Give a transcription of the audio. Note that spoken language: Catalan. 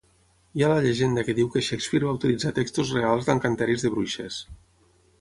Hi ha la llegenda que diu que Shakespeare va utilitzar textos reals d'encanteris de bruixes.